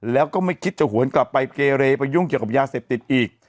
แล้วก็ไม่คิดจะหวนกลับไปเกเรไปยุ่งเกี่ยวกับยาเสพติดอีก